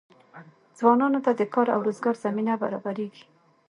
ځوانانو ته د کار او روزګار زمینه برابریږي.